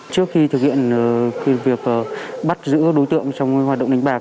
trước khi thực hiện việc bắt giữ đối tượng trong hoạt động đánh bạc